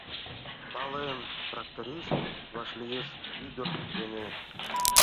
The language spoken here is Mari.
...Палем, тракторист вашлиеш ӱдыр дене